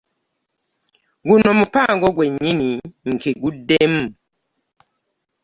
Guno mupango gwennyini nkiguddemu.